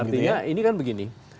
artinya ini kan begini